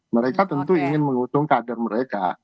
mereka tentu ingin mengutung kader mereka